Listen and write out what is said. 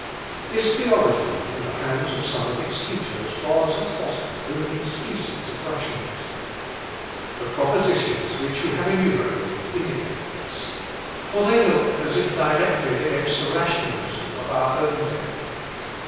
This theology, in the hands of some of its teachers, was, at bottom, only a species of rationalism. The propositions which we have enumerated indicate this; for they look as if directed against the rationalism of our own day.